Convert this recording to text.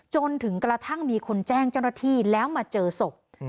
จนกระทั่งมีคนแจ้งเจ้าหน้าที่แล้วมาเจอศพ